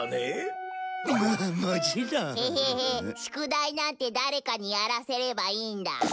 宿題なんて誰かにやらせればいいんだ。